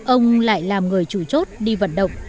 ông lại làm người chủ chốt đi vận động